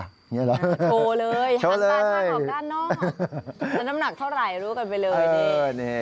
นี่หรือโทรเลยห้างออกด้านนอกน้ำหนักเท่าไหร่รู้กันไปเลยนี่